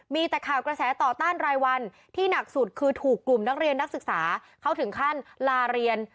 มีแต่ข่าวกระแสต่อต้านรายวันที่หนักสุดคือถูกกลุ่มนักเรียนนักศึกษาเขาถึงขั้นลาเรียน